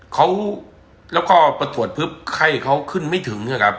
เขาแล้วก็ประสวทธิ์เพิ่มไข้เขาขึ้นไม่ถึงนะครับ